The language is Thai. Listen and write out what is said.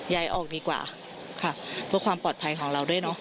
ย้ายออกดีกว่าค่ะเพื่อความปลอดภัยของเราด้วยเนาะ